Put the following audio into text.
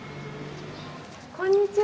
こんにちは。